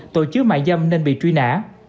tội chứa mại dâm nên bị truy nã